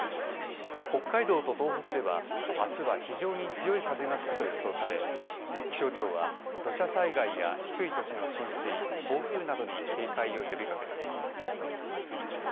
北海道と東北ではあすは非常に強い風が吹くと予想され気象庁は土砂災害や低い土地の浸水暴風雨などに警戒を呼びかけています。